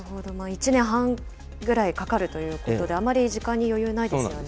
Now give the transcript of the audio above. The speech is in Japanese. １年半ぐらいかかるということで、あまり時間に余裕ないですよね。